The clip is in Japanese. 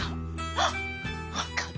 あっ分かった。